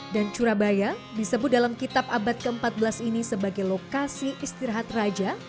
dan surabaya disebut dalam kitab abad ke empat belas ini sebagai lokasi istirahat raja